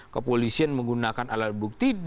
kepolisian menggunakan alat bukti